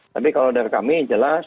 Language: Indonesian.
tapi kalau dari kami jelas